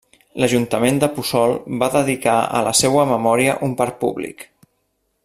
L'Ajuntament de Puçol va dedicar a la seua memòria un parc públic.